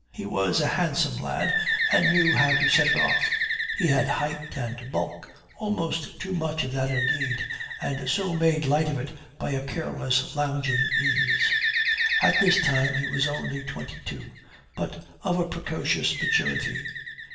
He was a handsome lad and knew how to set it off. He had height and bulk almost too much of that indeed, and so made light of it by a careless, lounging ease. At this time he was only twenty two, but of a precocious maturity.